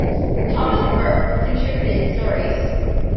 Thomas Burke contributed stories.